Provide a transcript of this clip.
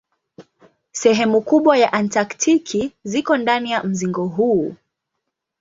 Sehemu kubwa ya Antaktiki ziko ndani ya mzingo huu.